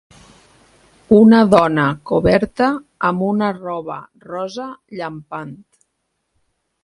Una dona coberta amb una roba rosa llampant.